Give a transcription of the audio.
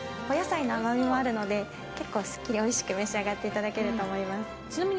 お野菜の甘みもあるので、すっきり美味しく召し上がっていただけると思います。